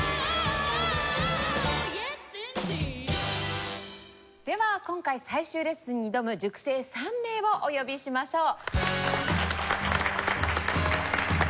「Ｙｅｓｉｎｄｅｅｄ！」では今回最終レッスンに挑む塾生３名をお呼びしましょう。